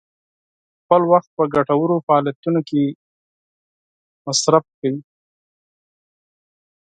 خپل وخت په ګټورو فعالیتونو کې مصرف کړئ.